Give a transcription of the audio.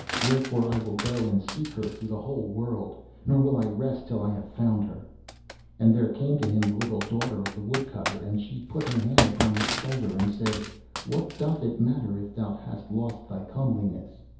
Wherefore I will go and seek her through the whole world, nor will I rest till I have found her.' And there came to him the little daughter of the Woodcutter, and she put her hand upon his shoulder and said, 'What doth it matter if thou hast lost thy comeliness?